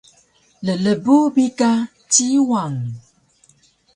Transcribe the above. llbu bi ka Ciwang